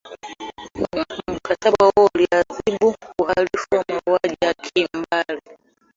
mkataba huo uliadhibu wahalifu wa mauaji ya kimbari